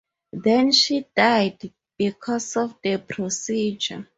Then she died because of the procedure.